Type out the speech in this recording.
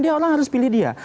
dia orang harus pilih dia